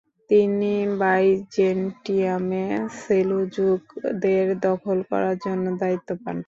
তিনি বাইজেন্টিয়ামে সেলজুকদের দখল করার জন্য দায়িত্ব পান।